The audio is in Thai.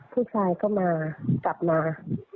ผู้ชายก็มากลับมา